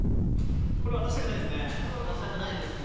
渡したくないですね。